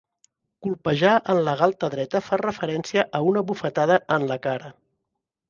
Colpejar en la galta dreta fa referència a una bufetada en la cara.